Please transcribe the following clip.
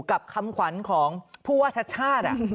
กับคำขวัญของผู้ว่าชาติชาติ